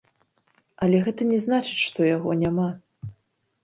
Але гэта не значыць, што яго няма.